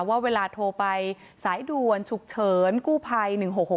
ว่าเวลาโทรไปสายด่วนฉุกเฉินกู้ภัย๑๖๖